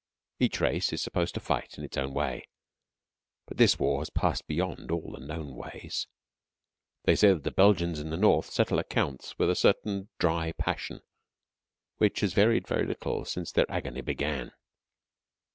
Each race is supposed to fight in its own way, but this war has passed beyond all the known ways. They say that the Belgians in the north settle accounts with a certain dry passion which has varied very little since their agony began.